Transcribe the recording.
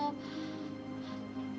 suatu hari nanti